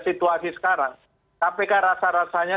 situasi sekarang kpk rasa rasanya